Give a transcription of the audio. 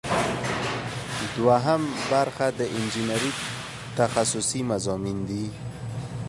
دوهم برخه د انجنیری تخصصي مضامین دي.